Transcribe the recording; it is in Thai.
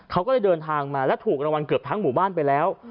เขาก็เลยเดินทางมาและถูกรางวัลเกือบทั้งหมู่บ้านไปแล้ว